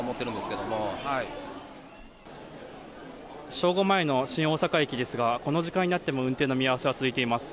正午前の新大阪駅ですがこの時間になっても運転見合わせが続いています。